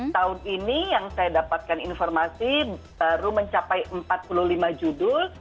tahun ini yang saya dapatkan informasi baru mencapai empat puluh lima judul